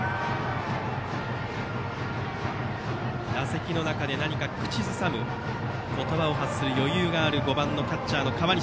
打席の中で何か口ずさむ言葉を発する余裕がある５番キャッチャーの河西。